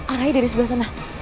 arahnya dari sebelah sana